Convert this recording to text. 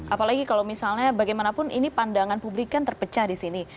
apalagi kalau misalnya bagaimanapun ini pandangan publik kan terpecah di sini